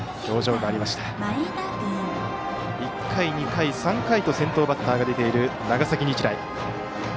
１回、２回、３回と先頭バッターが出ている長崎日大。